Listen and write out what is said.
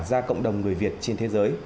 ra cộng đồng người việt trên thế giới